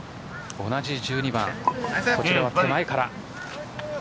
同じ１２番こちらは手前から。